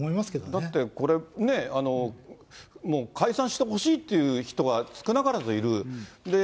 だってこれね、解散してほしいという人が少なからずいる。